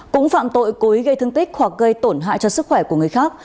cúng phạm tội cối gây thương tích hoặc gây tổn hại cho sức khỏe của người khác